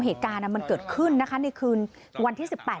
เหตุการณ์อ่ะมันเกิดขึ้นนะคะในคืนวันที่สิบแปด